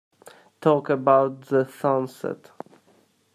Talk about the sunset.